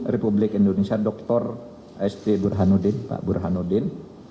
republik indonesia dr s t burhanuddin pak burhanuddin